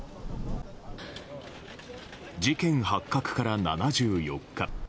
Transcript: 事件発覚から７４日。